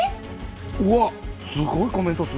うわっすごいコメント数。